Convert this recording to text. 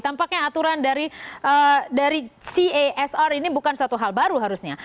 tampaknya aturan dari casr ini bukan suatu hal baru harusnya